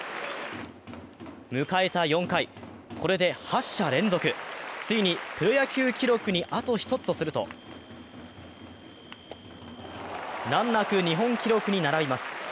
迎えた４回、これで８者連続、ついにプロ野球記録にあと１つとすると難なく日本記録に並びます。